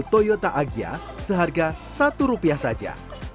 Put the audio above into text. satu unit mobil toyota agia seharga satu rupiah saja